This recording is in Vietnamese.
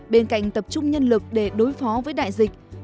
bên cạnh tập trung nhân lực để đối phó với đại dịch